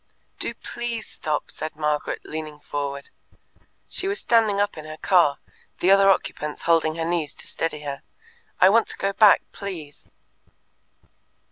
"Do PLEASE stop!" said Margaret, leaning forward. She was standing up in the car, the other occupants holding her knees to steady her. "I want to go back, please."